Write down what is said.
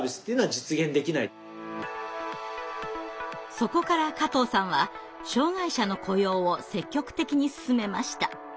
そこから加藤さんは障害者の雇用を積極的に進めました。